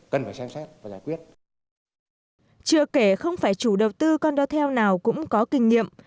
chưa kể không phải chủ đầu tư condotel nào cũng có kinh nghiệm